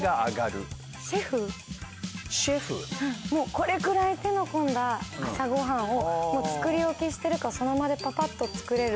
これくらい手の込んだ朝ご飯を作り置きしてるかその場でパパッと作れる。